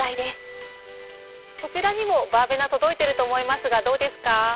そちらにもバーベナ届いてると思いますがどうですか？